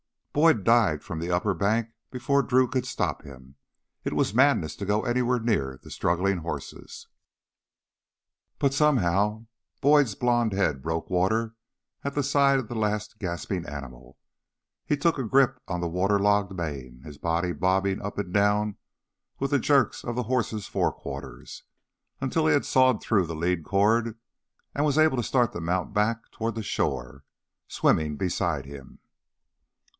Boyd dived from the upper bank before Drew could stop him. It was madness to go anywhere near the struggling horses. But somehow Boyd's blond head broke water at the side of the last gasping animal. He took a grip on the water logged mane, his body bobbing up and down with the jerks of the horse's forequarters, until he had sawed through the lead cord and was able to start the mount back toward the shore, swimming beside him.